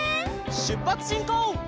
しゅっぱつしんこう！